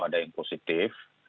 ada yang positif